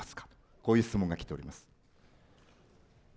こういう質問が来ております。